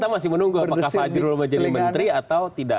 masih menunggu apakah fajrul akan menjadi menteri atau tidak